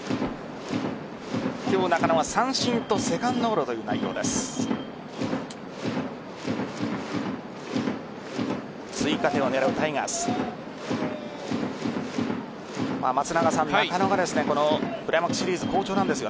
今日、中野は三振とセカンドゴロという内容です。